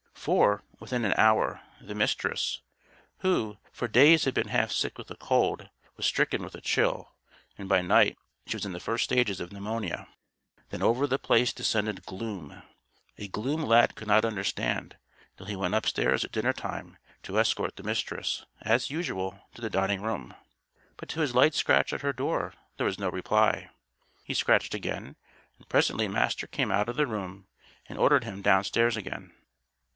For, within an hour, the Mistress who, for days had been half sick with a cold was stricken with a chill, and by night she was in the first stages of pneumonia. Then over The Place descended Gloom. A gloom Lad could not understand until he went upstairs at dinner time to escort the Mistress, as usual, to the dining room. But to his light scratch at her door there was no reply. He scratched again and presently Master came out of the room and ordered him down stairs again.